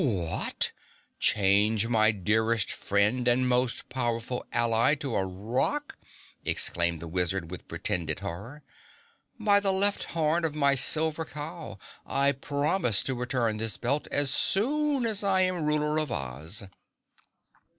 "What? Change my dearest friend and most powerful ally to a rock?" exclaimed the Wizard with pretended horror. "By the left horn of my silver cow, I promise to return this belt as soon as I am Ruler of Oz!"